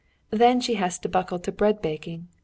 Then she has to buckle to bread baking.